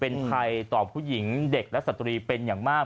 เป็นภัยต่อผู้หญิงเด็กและสตรีเป็นอย่างมาก